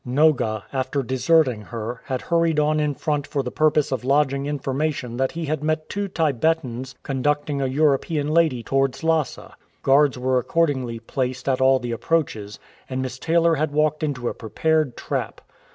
Noga, after deserting her, had hurried on in front for the purpose of lodging informa tion that he had met two Tibetans conducting a European lady towards Lhasa, Guards were accordingly placed at all the approaches, and Miss Taylor had walked into a prepared trap.